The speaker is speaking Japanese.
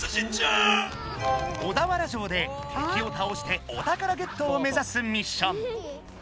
小田原城で敵をたおしてお宝ゲットを目指すミッション。